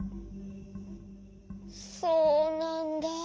そうなんだ。